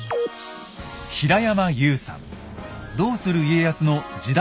「どうする家康」の時代